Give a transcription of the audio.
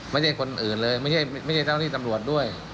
ไม่ใช่คนอื่นเลยไม่ใช่เจ้าที่ตำรวจด้วย